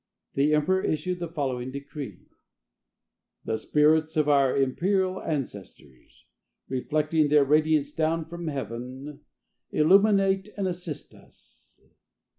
The emperor issued the following decree: "The spirits of our imperial ancestors, reflecting their radiance down from heaven, illuminate and assist us.